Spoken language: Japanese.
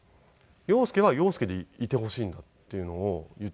「洋輔は洋輔でいてほしいんだ」っていうのを言ってくれて。